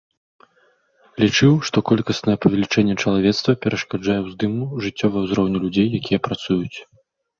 Лічыў, што колькаснае павелічэнне чалавецтва перашкаджае ўздыму жыццёвага ўзроўню людзей, якія працуюць.